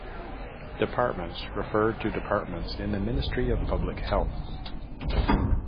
"Departments" refer to departments in the Ministry of Public Health.